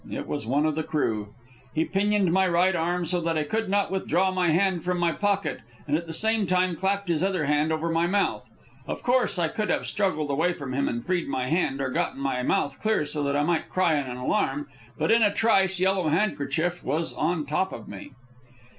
It was one of the crew. He pinioned my right arm so that I could not withdraw my hand from my pocket, and at the same time clapped his other hand over my mouth. Of course, I could have struggled away from him and freed my hand or gotten my mouth clear so that I might cry an alarm, but in a trice Yellow Handkerchief was on top of me.